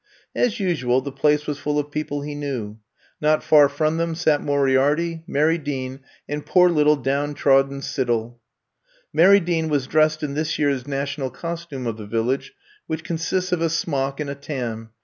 As usual the place was full of people he knew. Not far from them sat Moriarity, Mary Dean and poor little down trodden Siddell. Mary Dean was dressed in this year's national costume of the Village, which consists of a smock and a tam.